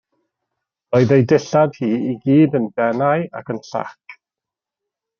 Roedd ei dillad hi i gyd yn denau ac yn llac.